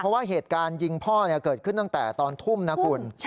เพราะว่าเหตุการณ์ยิงพ่อเกิดขึ้นตั้งแต่ตอนทุ่มนะคุณ